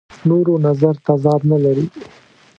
نورو نظر تضاد نه لري.